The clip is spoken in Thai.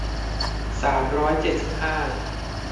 สามร้อยเจ็ดสิบห้า